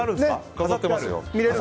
飾ってますよ。